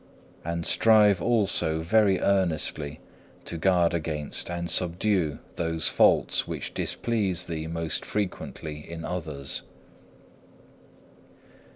And strive also very earnestly to guard against and subdue those faults which displease thee most frequently in others.